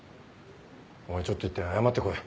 お前ちょっと行って謝って来い。